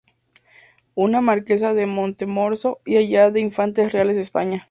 I Marquesa de Montehermoso y aya de infantes reales de España.